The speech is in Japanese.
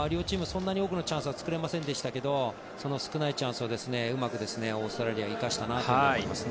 そんなに多くのチャンスは作れませんでしたがその少ないチャンスをうまくオーストラリアは生かしたなと思います。